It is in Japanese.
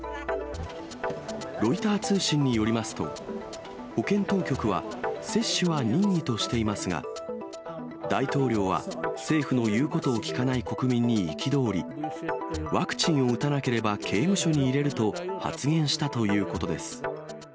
ロイター通信によりますと、保健当局は、接種は任意としていますが、大統領は、政府の言うことを聞かない国民に憤り、ワクチンを打たなければ刑務所に入れると発言したということです。